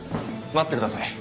待ってください。